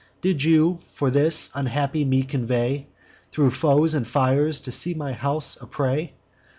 Did you, for this, unhappy me convey Thro' foes and fires, to see my house a prey?